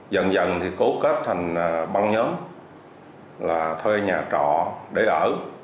dần dần thì cố kết thành băng nhóm là thuê nhà trọ để ở